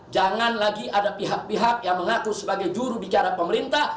jangan lagi ada pihak pihak yang mengaku sebagai jurubicara pemerintah